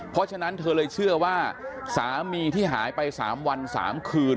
เพราะฉะนั้นเธอเลยเชื่อว่าสามีที่หายไป๓วัน๓คืน